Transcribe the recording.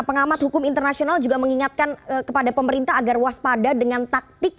pengamat hukum internasional juga mengingatkan kepada pemerintah agar waspada dengan taktik